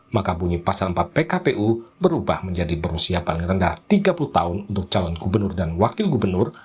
maka bunyi pasal empat pkpu berubah menjadi berusia paling rendah tiga puluh tahun untuk calon gubernur dan wakil gubernur